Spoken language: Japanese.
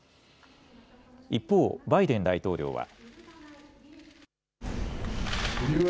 一方、バイデン大統領は。